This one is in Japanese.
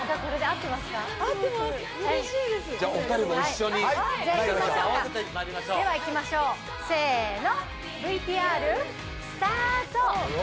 合わせてまいりましょうではいきましょうせーのＶＴＲスタート